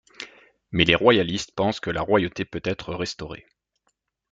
Mais les royalistes pensent que la royauté peut être restaurée.